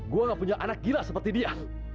gue gak punya anak gila seperti dia